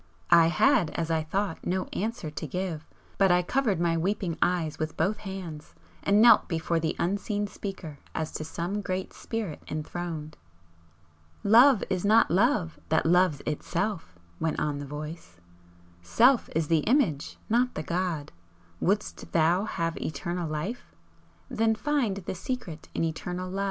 I had, as I thought, no answer to give, but I covered my weeping eyes with both hands and knelt before the unseen speaker as to some great Spirit enthroned. "Love is not Love that loves Itself," went on the Voice "Self is the Image, not the God. Wouldst thou have Eternal Life? Then find the secret in Eternal Love!